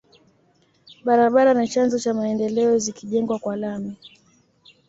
Barabara ni chanzo cha maendeleo zikijengwa kwa lami